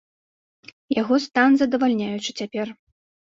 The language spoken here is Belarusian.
Яго стан здавальняючы цяпер.